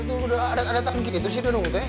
itu udah ada tangki itu sih tuh tuh teh